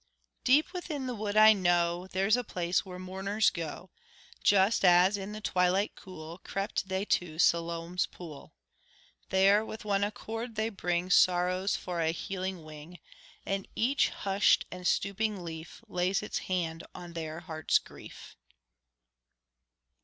Deep within the wood I know, There's a place where mourners go, Just as, in the twilight cool, Crept they to Siloam's pool. There, with one accord, they bring Sorrows for a healing wing; And each hushed and stooping leaf Lays its hand on their heart's grief.